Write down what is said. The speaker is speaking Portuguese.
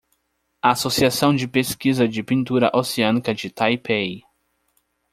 Associação de pesquisa de pintura oceânica de Taipei